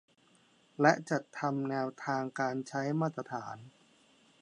และจัดทำแนวทางการใช้มาตรฐาน